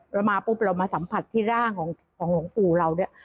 เรามาปุ๊บเรามาสัมผัสที่ร่างของหลวงปู่เราเนี่ย